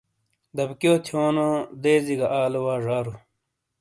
دابکیو تھیونو دیزی گہ ایلے آلے وا ژارو ۔